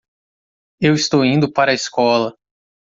Eu estou indo para a escola.